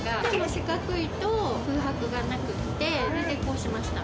四角いと空白がなくて、で、こうしました。